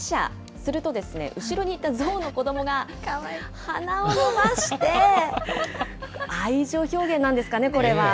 するとですね、後ろにいた象の子どもが鼻を伸ばして、愛情表現なんですかね、これは。